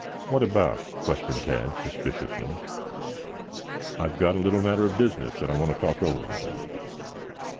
"What about?" questioned Tad suspiciously. "I've got a little matter of business that I want to talk over with him."